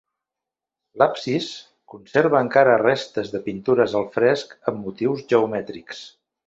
L'absis conserva encara restes de pintures al fresc amb motius geomètrics.